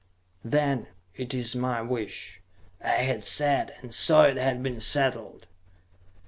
"Then it is my wish," I had said, and so it had been settled.